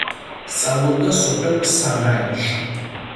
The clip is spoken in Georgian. სწავლობდა სოფელ სანაინში.